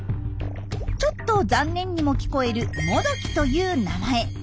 ちょっと残念にも聞こえる「モドキ」という名前。